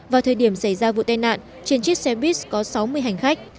vào thời điểm xảy ra vụ tai nạn trên chiếc xe buýt có sáu mươi hành khách